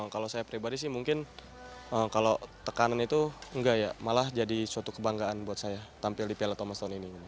kalau saya pribadi sih mungkin kalau tekanan itu enggak ya malah jadi suatu kebanggaan buat saya tampil di piala thomas tahun ini